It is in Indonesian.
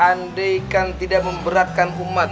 andaikan tidak memberatkan umat